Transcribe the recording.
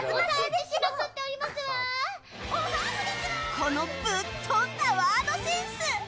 このぶっ飛んだワードセンス！